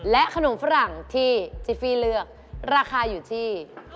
ขนมฝรั่งที่จิฟฟี่เลือกราคาอยู่ที่